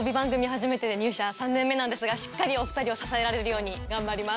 初めてで入社３年目なんですがしっかりお２人を支えられるように頑張ります。